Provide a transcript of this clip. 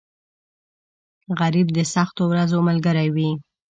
غریب د سختو ورځو ملګری وي